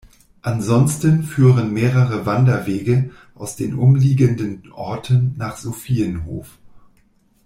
Ansonsten führen mehrere Wanderwege aus den umliegenden Orten nach Sophienhof.